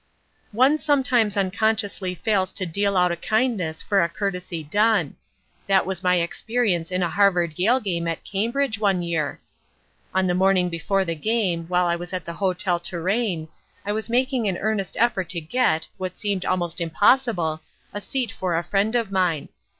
One sometimes unconsciously fails to deal out a kindness for a courtesy done. That was my experience in a Harvard Yale game at Cambridge one year. On the morning before the game, while I was at the Hotel Touraine, I was making an earnest effort to get, what seemed almost impossible, a seat for a friend of mine.